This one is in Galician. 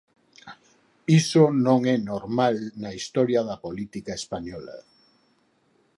Iso non é normal na historia da política española.